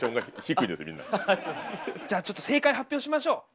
じゃあちょっと正解発表しましょう。